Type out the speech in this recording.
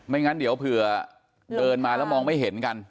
งั้นเดี๋ยวเผื่อเดินมาแล้วมองไม่เห็นกัน